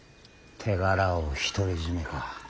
手柄を独り占めか。